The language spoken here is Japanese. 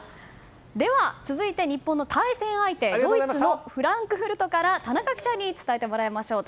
では、続いて日本の対戦相手ドイツのフランクフルトから田中記者に伝えてもらいましょう。